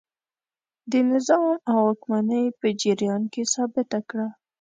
د نظام او واکمنۍ په جریان کې ثابته کړه.